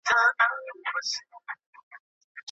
د پنبي فابریکه ډېر ښه کیفیت لرونکي توکي تولیدوي.